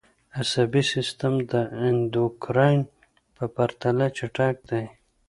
عصبي سیستم د اندوکراین په پرتله چټک دی